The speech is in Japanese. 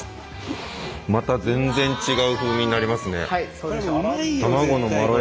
また全然違う風味になりますね。